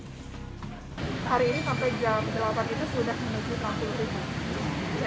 hari ini sampai jam delapan itu sudah menuju tiga puluh ribu